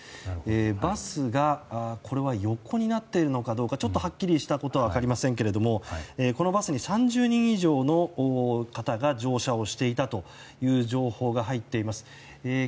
バスがこれは横になっているのかどうかちょっとはっきりしたことは分かりませんけれどもこのバスに３０人以上の方が乗車をしていたという情報が入っています。